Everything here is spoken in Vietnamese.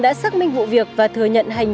bây giờ mới đến hình phạt vắt rẻ lau bảng